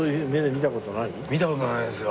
見た事ないですよ